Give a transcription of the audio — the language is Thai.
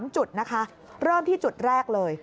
๓จุดนะคะเริ่มที่จุดแรกเลย